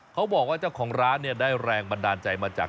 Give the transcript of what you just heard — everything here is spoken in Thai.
เขาบอกว่าเจ้าของร้านเนี่ยได้แรงบันดาลใจมาจาก